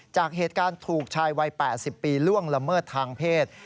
จากเหตุการณ์ถูกชายวัย๘๐ปีล่วงละเมิดทางเพศ